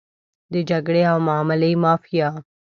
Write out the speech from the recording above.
د جګړې او معاملې مافیا.